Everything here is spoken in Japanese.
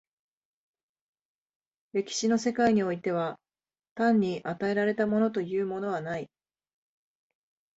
歴史の世界においては単に与えられたものというものはない。